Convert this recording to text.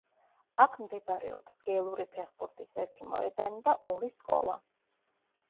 აქ მდებარეობს გელური ფეხბურთის ერთი მოედანი და ორი სკოლა.